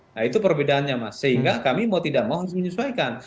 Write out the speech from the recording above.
nah itu perbedaannya mas sehingga kami mau tidak mau harus menyesuaikan